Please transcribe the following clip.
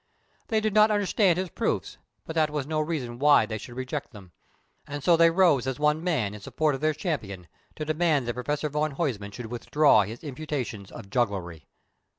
They did not understand his proofs, but that was no reason why they should reject them, and so they rose as one man in support of their champion to demand that Professor van Huysman should withdraw his imputations of jugglery.